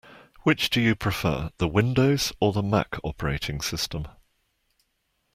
Which do you prefer: the Windows or the Mac operating system?